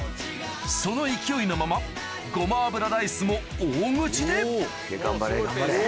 その勢いのままごま油ライスも大口で頑張れ頑張れ。